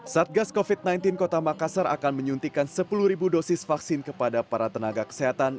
satgas covid sembilan belas kota makassar akan menyuntikkan sepuluh dosis vaksin kepada para tenaga kesehatan